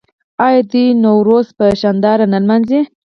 آیا دوی نوروز په شاندارۍ نه لمانځي؟